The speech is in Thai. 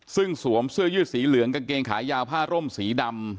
ซึ่งสวมเสื้อยืดสีเหลืองกางเกงขายาวผ้าร่มสีดำ